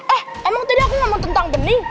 eh emang tadi aku ngomong tentang benih